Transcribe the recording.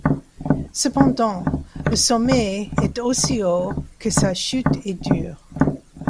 Cependant, le sommet est aussi haut que sa chute est dure.